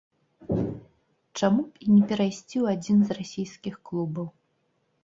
Чаму б і не перайсці ў адзін з расійскіх клубаў?